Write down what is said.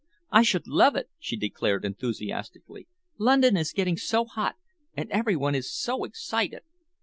"I should love it," she declared enthusiastically. "London is getting so hot, and every one is so excited."